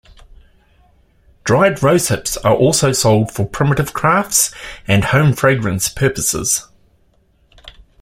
Dried rose hips are also sold for primitive crafts and home fragrance purposes.